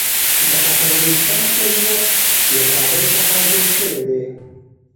د افغانستان طبیعت له کابل څخه جوړ شوی دی.